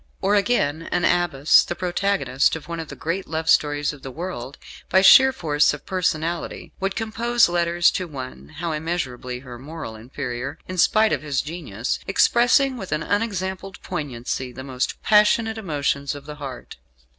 Or, again, an Abbess, the protagonist of one of the great love stories of the world, by sheer force of personality, would compose letters to one how immeasurably her moral inferior, in spite of his genius expressing with an unexampled poignancy the most passionate emotions of the heart.